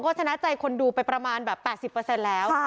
ก็ชนะใจคนดูไปประมาณแบบ๘๐แล้ว